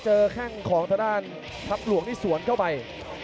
เจอข้างของทดานทัพหลวงนี่สวนเข้าไป